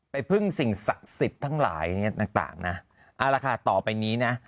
พึ่งสิ่งศักดิ์สิทธิ์ทั้งหลายเนี่ยต่างนะเอาละค่ะต่อไปนี้นะ